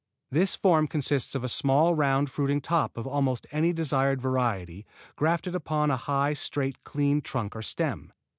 This form consists of a small round fruiting top of almost any desired variety grafted high upon a straight clean trunk or stem.